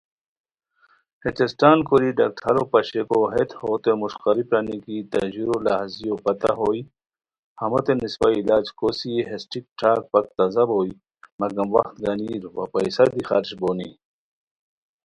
ہے ٹسٹان کوری ڈاکٹرو پاشئیکو ہیت ہوتین مݰقاری پرانی کی تہ ژورو لہازیو پتہ ہوئے، ہموتین اسپہ علاج کوسی ہیس ٹھیک ٹھاک، پک تازہ بوئے، مگم وخت گنیر وا پیسہ دی خرچہ بونی